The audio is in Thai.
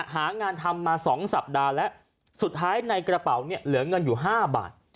หางานทำมา๒สัปดาห์แล้วสุดท้ายในกระเป๋าเนี่ยเหลือเงินอยู่๕บาท